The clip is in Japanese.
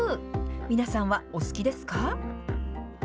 皆さんはお好きですか？